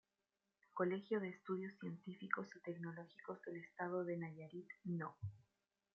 Colegio de Estudios Científicos y Tecnológicos del Estado de Nayarit No.